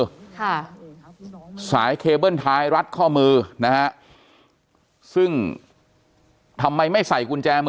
ค่ะสายเคเบิ้ลท้ายรัดข้อมือนะฮะซึ่งทำไมไม่ใส่กุญแจมือ